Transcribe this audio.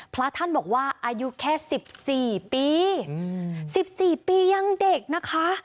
พระท่านบอกว่าอายุแค่สิบสี่ปีสิบสี่ปียังเด็กนะคะ